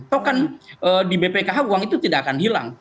tau kan di bpkh uang itu tidak akan hilang